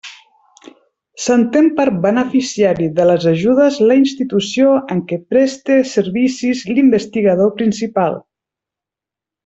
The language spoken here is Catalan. S'entén per beneficiari de les ajudes la institució en què preste servicis l'investigador principal.